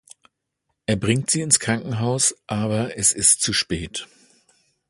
Er bringt sie ins Krankenhaus, aber es ist zu spät.